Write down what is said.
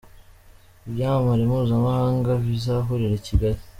ibyamamare mpuzamahanga bizahurira I Kigali